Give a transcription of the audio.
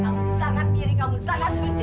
kamu sangat iri kamu sangat benci